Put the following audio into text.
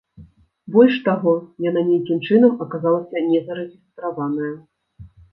Больш таго, яна нейкім чынам аказалася незарэгістраваная!